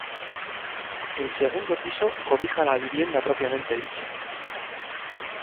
El segundo piso cobija la vivienda propiamente dicha.